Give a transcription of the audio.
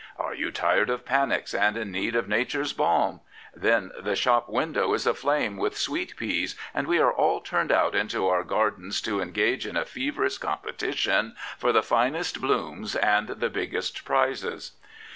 Are you tired of panics and in need of nature's balm? Then the shop window is aflame with sweet peas and we are all turned out into our gardens to engage in a feverish 95 Prophets, Priests, and Kings competition for the finest blooms and the biggest prizes.